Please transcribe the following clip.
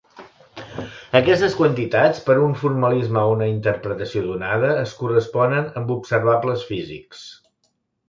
Aquestes quantitats, per a un formalisme o una interpretació donada, es corresponen amb observables físics.